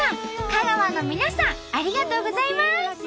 香川の皆さんありがとうございます！